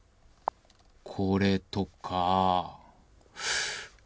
これとかぁ。